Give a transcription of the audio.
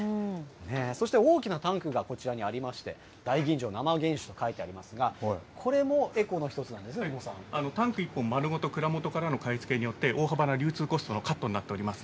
そして、大きなタンクがこちらにありまして、大吟醸生原酒と書いてありますが、これもエコの１つタンク１本丸ごと、蔵元からの買い付けによって、大幅な流通コストのカットになっております。